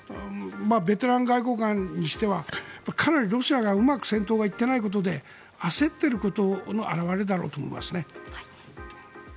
ベテラン外交官にしてはかなりロシアが戦闘がうまくいっていないことで焦っていることの表れだろうと思いますね。